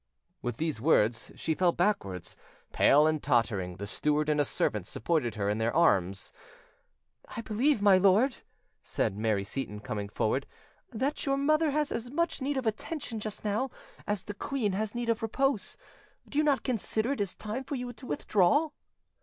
With these words, she fell backwards, pale and tottering; the steward and a servant supported er in their arms. "I believe, my lord," said Mary Seyton, coming forward, "that your mother has as much need of attention just now as the queen has need of repose: do you not consider it is time for you to withdraw?"